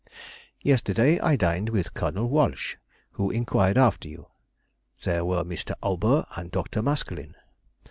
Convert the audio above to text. Yesterday I dined with Colonel Walsh, who inquired after you. There were Mr. Aubert and Dr. Maskelyne.